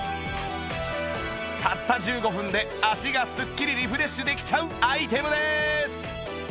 たった１５分で足がスッキリリフレッシュできちゃうアイテムです